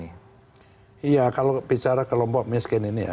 iya kalau bicara kelompok miskin ini ya